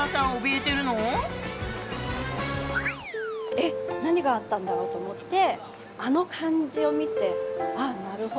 えっ？何があったんだろうと思って。